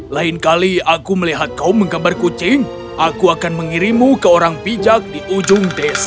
lain kali aku melihat kau menggambar kucing aku akan mengirimu ke orang bijak di ujung desa